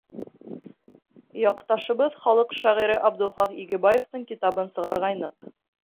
— Яҡташыбыҙ, халыҡ шағиры Абдулхаҡ Игебаевтың китабын сығарғайныҡ.